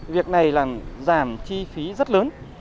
việc này là giảm chi phí rất lớn